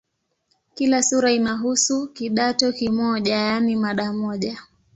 Kila sura inahusu "kidato" kimoja, yaani mada moja.